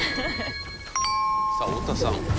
さあ太田さん。